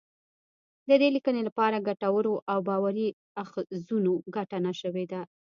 د دې لیکنی لپاره له ګټورو او باوري اخځونو ګټنه شوې ده